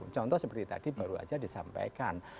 contoh seperti tadi baru saja disampaikan